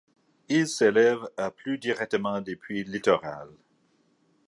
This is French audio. Il s'élève à plus directement depuis littoral.